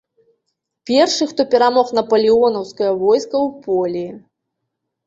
Першы, хто перамог напалеонаўскае войска ў полі.